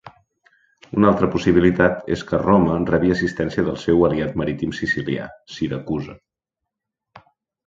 Una altra possibilitat és que Roma rebi assistència del seu aliat marítim sicilià, Siracusa.